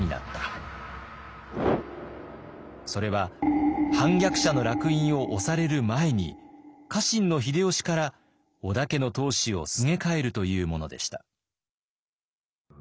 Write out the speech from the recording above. それは反逆者のらく印を押される前に家臣の秀吉から織田家の当主をすげ替えるというものでした。